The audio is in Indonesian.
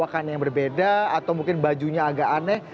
mungkin karena yang berbeda atau mungkin bajunya agak aneh